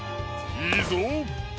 いいぞ！